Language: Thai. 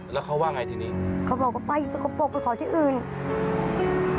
และเขาบอกยิ่งอย่างไรทีนี้